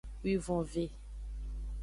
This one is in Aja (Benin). Wivonve.